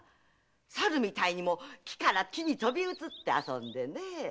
サルみたいに木から木に飛び移って遊んでねえ。